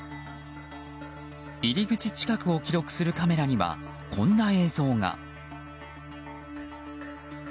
入り口近くを記録するカメラにはこんな映像が。